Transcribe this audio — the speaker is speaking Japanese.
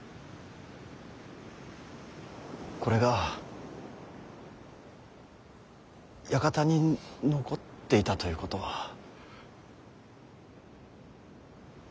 これが館に残っていたということは。